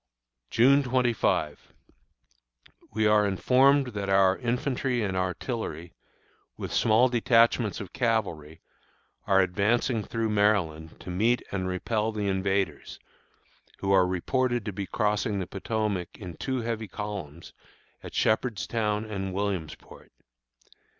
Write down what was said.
June 25. We are informed that our infantry and artillery, with small detachments of cavalry, are advancing through Maryland to meet and repel the invaders, who are reported to be crossing the Potomac in two heavy columns at Shepherdstown and Williamsport.